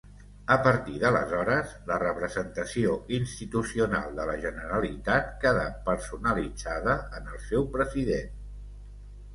A partir d'aleshores, la representació institucional de la Generalitat quedà personalitzada en el seu president.